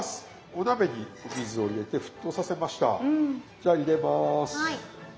じゃあ入れます。